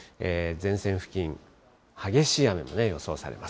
前線付近、激しい雨も予想されます。